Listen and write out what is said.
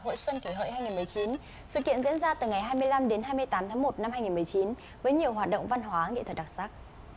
hội xuân kỷ hợi hai nghìn một mươi chín sự kiện diễn ra từ ngày hai mươi năm đến hai mươi tám tháng một năm hai nghìn một mươi chín với nhiều hoạt động văn hóa nghệ thuật đặc sắc